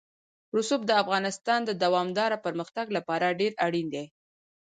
رسوب د افغانستان د دوامداره پرمختګ لپاره ډېر اړین دي.